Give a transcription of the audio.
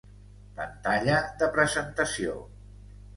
Pantalla de Presentació: